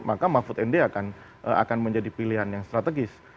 maka mahfud md akan menjadi pilihan yang strategis